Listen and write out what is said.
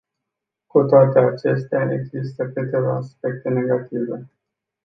Cu toate acestea, există câteva aspecte negative.